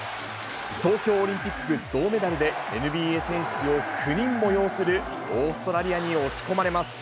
東京オリンピック銅メダルで、ＮＢＡ選手を９人も擁するオーストラリアに押し込まれます。